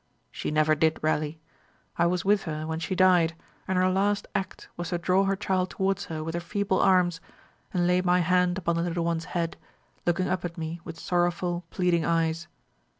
"She never did rally. I was with her when she died, and her last act was to draw her child towards her with her feeble arms and lay my hand upon the little one's head, looking up at me with sorrowful pleading eyes.